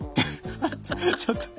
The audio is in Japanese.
ちょっと。